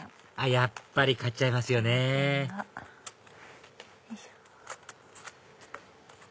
やっぱり買っちゃいますよねよいしょ。